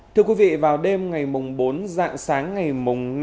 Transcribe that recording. thưa quý vị vào đêm ngày mùng bốn dạng sáng ngày mùng